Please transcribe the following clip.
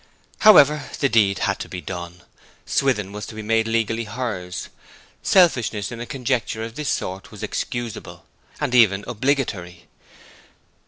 However, the deed had to be done; Swithin was to be made legally hers. Selfishness in a conjuncture of this sort was excusable, and even obligatory.